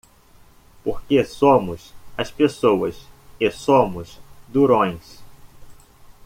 Porque somos as pessoas e somos durões!